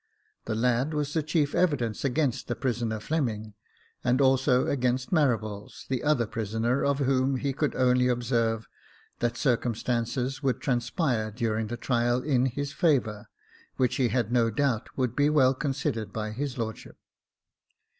The lad was the chief evidence against the prisoner Fleming, and also against Marables, the other prisoner, of whom he could only observe, that circumstances would transpire, during the trial, in his favour, which he had no doubt would be well considered by his lordship.